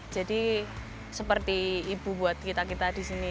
seperti ibu buat kita kita di sini